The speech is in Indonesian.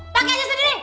pakai aja sendiri